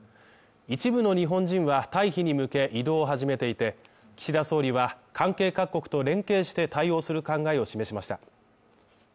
一部の日本人は、退避に向け移動を始めていて、岸田総理は、関係各国と連携して対応する考えを示しました。